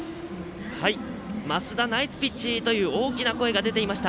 升田、ナイスピッチ！という大きな声が出ていました